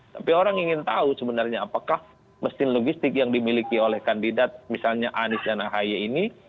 tapi orang ingin tahu sebenarnya apakah mesin logistik yang dimiliki oleh kandidat misalnya anies dan ahy ini